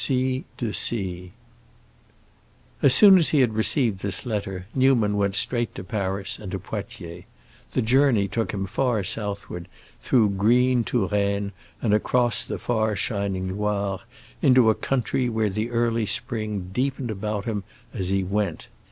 C. de C." As soon as he received this letter Newman went straight to Paris and to Poitiers. The journey took him far southward, through green Touraine and across the far shining Loire, into a country where the early spring deepened about him as he went.